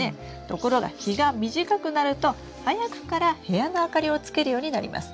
ところが日が短くなると早くから部屋の明かりをつけるようになります。